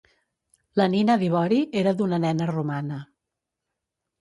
La nina d'ivori era d'una nena romana.